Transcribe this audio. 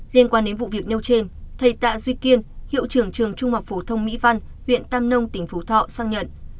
liên quan đến vụ việc nêu trên thầy tạ duy kiên hiệu trưởng trường trung học phổ thông mỹ văn huyện tam nông tỉnh phú thọ xác nhận